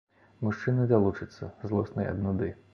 Мужчыны далучацца, злосныя ад нуды.